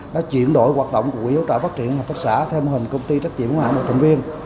đã chuyển đổi hoạt động của quỹ hỗ trợ phát triển hợp tác xã theo mô hình công ty trách nhiệm hóa hãng và thành viên